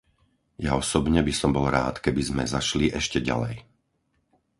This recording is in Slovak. Ja osobne by som bol rád keby sme zašli ešte ďalej.